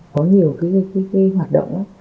có nhiều cái hoạt động